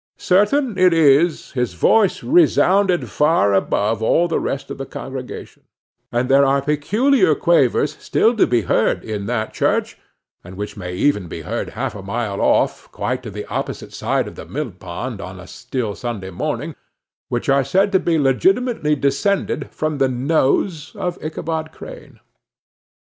Certain it is, his voice resounded far above all the rest of the congregation; and there are peculiar quavers still to be heard in that church, and which may even be heard half a mile off, quite to the opposite side of the millpond, on a still Sunday morning, which are said to be legitimately descended from the nose of Ichabod Crane.